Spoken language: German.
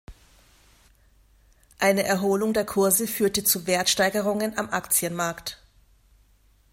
Eine Erholung der Kurse führte zu Wertsteigerungen am Aktienmarkt.